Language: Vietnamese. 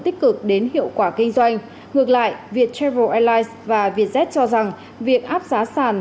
tích cực đến hiệu quả kinh doanh ngược lại viettravel airlines và vietjet cho rằng việc áp giá sàn